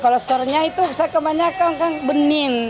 kalau sorenya itu bisa kebanyakan benin